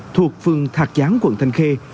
thuộc phường thạc gián quận thành khê